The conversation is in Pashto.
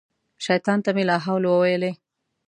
شیطان ته مې لا حول وویلې.